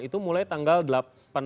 itu mulai tanggal sembilan belas ya